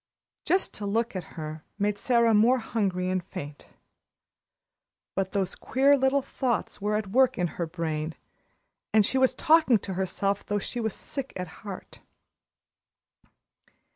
Just to look at her made Sara more hungry and faint. But those queer little thoughts were at work in her brain, and she was talking to herself though she was sick at heart.